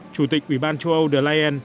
chủ tịch ủy ban châu âu delayen